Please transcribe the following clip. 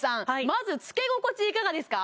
まずつけ心地いかがですか？